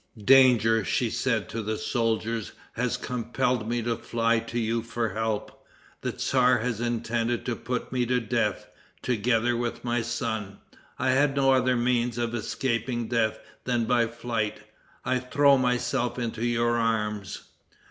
"Danger," she said to the soldiers, "has compelled me to fly to you for help. The tzar had intended to put me to death, together with my son. I had no other means of escaping death than by flight. I throw myself into your arms!"